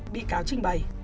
bị cáo trình bày